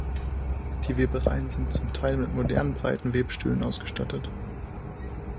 Die Webereien sind zum Teil mit modernen breiten Webstühlen ausgestattet.